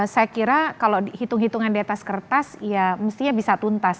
saya kira kalau dihitung hitungan di atas kertas ya mestinya bisa tuntas